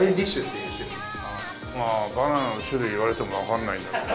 バナナの種類言われてもわかんないんだけど。